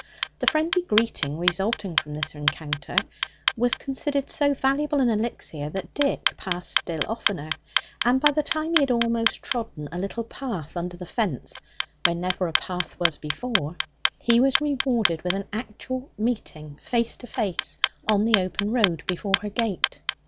The friendly greeting resulting from this rencounter was considered so valuable an elixir that Dick passed still oftener; and by the time he had almost trodden a little path under the fence where never a path was before, he was rewarded with an actual meeting face to face on the open road before her gate.